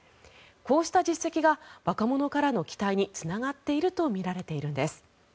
こうした実績が若者からの期待につながっていると考えられているんです。